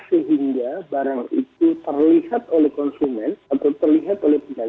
sehingga barang itu terlihat oleh konsumen atau terlihat oleh pedagang